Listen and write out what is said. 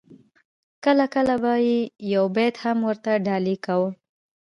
کله کله به یې یو بیت هم ورته ډالۍ کاوه.